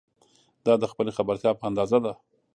دا د خپلې خبرتیا په اندازه ده.